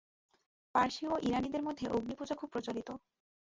পারসী ও ইরানীদের মধ্যে অগ্নিপূজা খুব প্রচলিত।